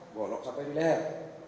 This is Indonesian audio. bolok sampai di leher